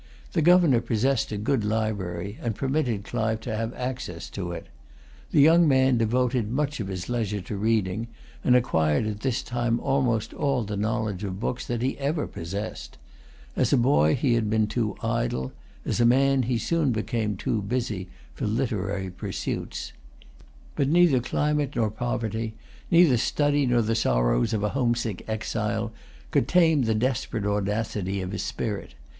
The Governor possessed a good library, and permitted Clive to have access to it. The young man devoted much of his leisure to reading, and acquired at this time almost all the knowledge of books that he ever possessed. As a boy he had been too idle, as a man he soon became too busy, for literary pursuits. But neither climate nor poverty, neither study nor the sorrows of a home sick exile, could tame the desperate audacity of his spirit.